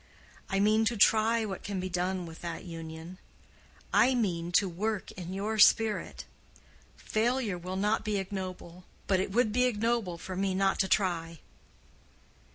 I mean to try what can be done with that union—I mean to work in your spirit. Failure will not be ignoble, but it would be ignoble for me not to try."